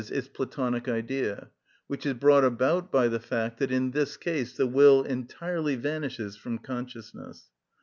_, its Platonic Idea; which is brought about by the fact that in this case the will entirely vanishes from consciousness.